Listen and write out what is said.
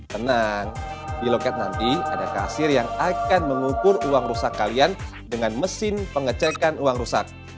tenang di loket nanti ada kasir yang akan mengukur uang rusak kalian dengan mesin pengecekan uang rusak